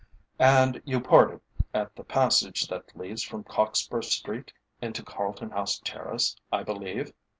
"And you parted at the passage that leads from Cockspur Street into Carlton House Terrace, I believe?"